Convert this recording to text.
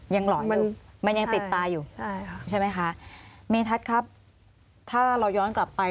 ยังหล่อนอยู่มันยังติดตาอยู่ใช่ไหมคะมีทัศน์ครับถ้าเราย้อนกลับไป